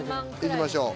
いきましょう。